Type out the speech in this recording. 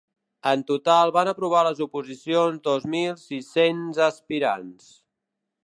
En total van aprovar les oposicions dos mil sis-cents aspirants.